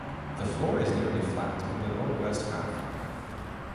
The floor is nearly flat in the northwest half.